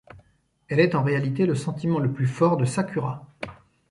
Elle est en réalité le sentiment le plus fort de Sakura.